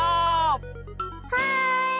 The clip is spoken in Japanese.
はい！